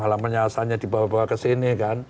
halam hanya di bawa bawa ke sini